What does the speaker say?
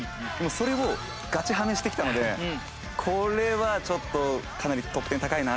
それをガチはめしてきたのでこれはちょっとかなり得点高いなっていう。